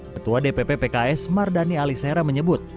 ketua dpp pks mardani alisera menyebut